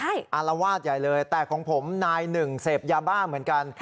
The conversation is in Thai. อารวาสใหญ่เลยแต่ของผมนายหนึ่งเสพยาบ้าเหมือนกัน